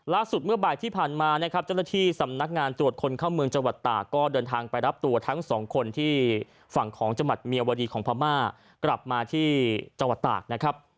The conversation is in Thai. ล่าสุดเมื่อบ่ายที่ผ่านมาจรฐีสำนักงานตรวจคนข้ามเมืองจังหวัดตาก็เดินทางไปรับตัวทั้ง๒คนที่ฝั่งของจมัดเมียวดีของพม่ากลับมาที่จังหวัดตากนะครับ